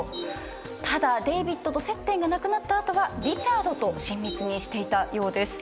ただデイビッドと接点がなくなった後はリチャードと親密にしていたようです。